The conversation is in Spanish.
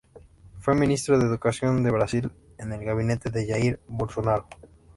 Fue Ministro de Educación de Brasil en el gabinete de Jair Bolsonaro.